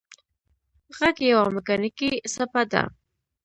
غږ یوه مکانیکي څپه ده.